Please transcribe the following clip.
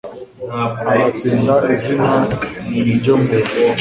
agatsinda izina niryo muntu